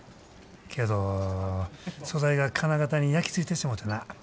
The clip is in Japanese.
けど素材が金型に焼き付いてしもてな。